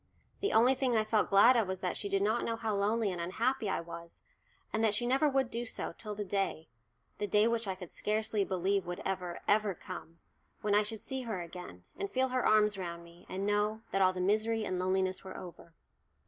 The only thing I felt glad of was that she did not know how lonely and unhappy I was, and that she never would do so till the day the day which I could scarcely believe would ever, ever come when I should see her again, and feel her arms round me, and know that all the misery and loneliness were over!